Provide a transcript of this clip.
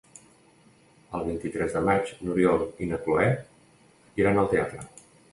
El vint-i-tres de maig n'Oriol i na Cloè iran al teatre.